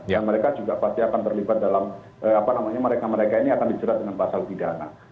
yang mereka juga pasti akan terlibat dalam apa namanya mereka mereka ini akan dijerat dengan pasal pidana